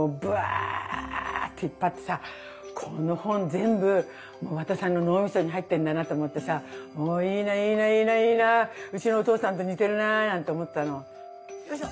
そしたらこの本全部和田さんの脳みそに入ってんだなと思ってさいいないいないいないいなうちのお父さんと似てるななんて思ったの。